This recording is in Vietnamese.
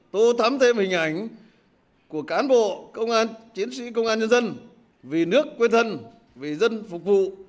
tô thắm thêm hình ảnh của cán bộ công an chiến sĩ công an nhân dân vì nước quê thân vì dân phục vụ